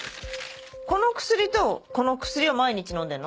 この薬とこの薬を毎日飲んでんの？